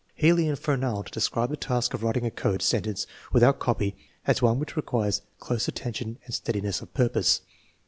Healy and Fernald describe the task of writing a code sentence without copy as one which requires " close at tention and steadiness of purpose."